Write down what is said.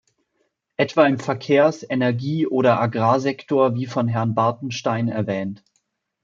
Etwa im Verkehrs-, Energieoder Agrarsektor, wie von Herrn Bartenstein erwähnt.